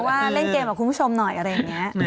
ว่าเล่นเกมกับคุณผู้ชมหน่อยอะไรอย่างนี้